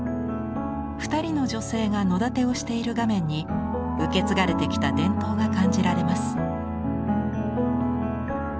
２人の女性が野だてをしている画面に受け継がれてきた伝統が感じられます。